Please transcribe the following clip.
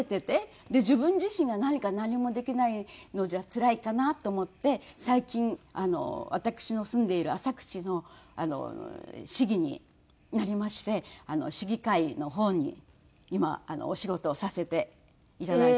で自分自身が何か何もできないのじゃつらいかなと思って最近私の住んでいる浅口の市議になりまして市議会の方に今はお仕事をさせていただいております。